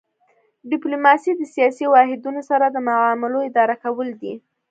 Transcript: ډیپلوماسي د سیاسي واحدونو سره د معاملو اداره کول دي